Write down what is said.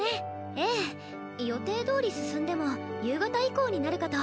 ええ。予定どおり進んでも夕方以降になるかと。